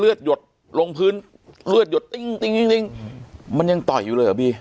เลือดหยดลงพื้นเลือดหยดมันยังต่อยอยู่เลยหรอบี